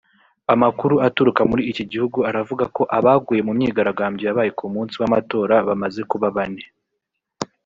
Amakuru aturuka muri iki gihugu aravuga ko abaguye mu myigaragambyo yabaye ku munsi w’ amatora bamaze kuba bane